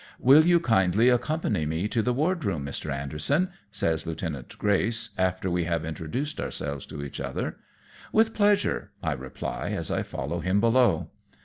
" Will you kindly accompany me to the wardroom, Mr. Anderson ?" says Lieutenant Grace, after we have introduced ourselves to each other. " With pleasure," I reply as I follow him below.